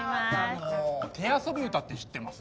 手遊び歌って知ってます？